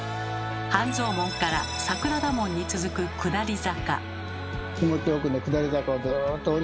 半蔵門から桜田門に続く下り坂。